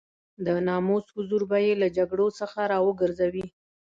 د ناموس حضور به يې له جګړو څخه را وګرځوي.